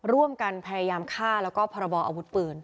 ร่วมกันพยายามฆ่าแล้วก็พรบออาวุธปืน